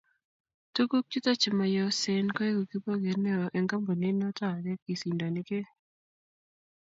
Tuguk chuto chemayosen koegu kiboget ne o eng kampunit noto age kisindonigei